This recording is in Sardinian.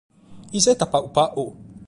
Iseta pagu pagu!